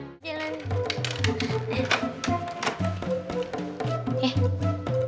jalan jalan men